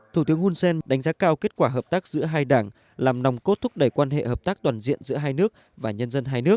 thủ tướng hun sen đánh giá cao kết quả hợp tác giữa hai đảng làm nòng cốt thúc đẩy quan hệ hợp tác toàn diện giữa hai nước và nhân dân hai nước